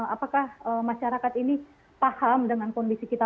apakah masyarakat ini paham dengan kondisi kita